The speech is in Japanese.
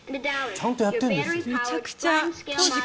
ちゃんとやってるんですよ。